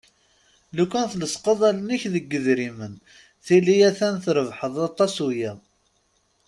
Lukan tlesqeḍ allen-ik deg yidrimen tili a-t-an trebḥeḍ aṭas aya.